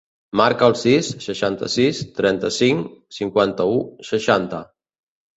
Marca el sis, seixanta-sis, trenta-cinc, cinquanta-u, seixanta.